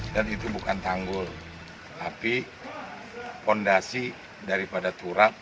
dan itu bukan tanggul tapi fondasi daripada turap